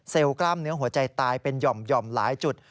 กล้ามเนื้อหัวใจตายเป็นหย่อมหลายจุด